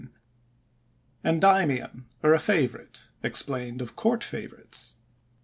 —ENDYMION, OR A FAVORITE. EXPLAINED OF COURT FAVORITES.